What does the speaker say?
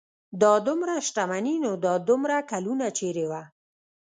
دا دومره شتمني نو دا دومره کلونه چېرې وه.